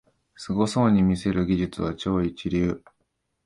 すごそうに見せる技術は超一流